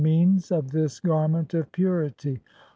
"means of this garment of purity.